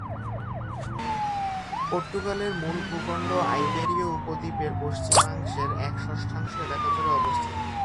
পর্তুগালের মূল ভূখণ্ড আইবেরীয় উপদ্বীপের পশ্চিমের এক-ষষ্ঠাংশ এলাকা জুড়ে অবস্থিত।